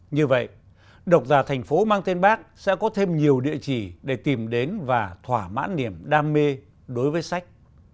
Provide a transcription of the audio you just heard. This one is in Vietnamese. như vậy độc giả thành phố mang tên bác sẽ có thêm nhiều địa chỉ để tìm đến và thỏa mãn niềm đam mê đối với sách